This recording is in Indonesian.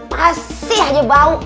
masih aja bau